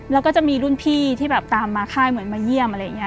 แล้วก็จะมีรุ่นพี่ที่แบบตามมาค่ายเหมือนมาเยี่ยมอะไรอย่างนี้